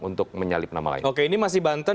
untuk menyalip nama lain oke ini masih banten